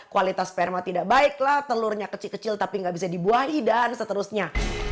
kualitas sperma tidak baiklah telurnya kecil kecil tapi nggak bisa dibuahi dan seterusnya